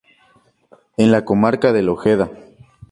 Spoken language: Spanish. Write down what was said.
En la comarca de La Ojeda.